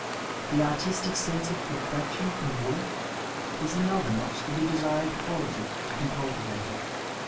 The artistic sense of perfection in work is another much to be desired quality to be cultivated.